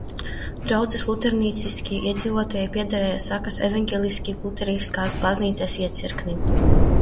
Draudzes luterticīgie iedzīvotāji piederēja Sakas evaņģeliski luteriskās baznīcas iecirknim.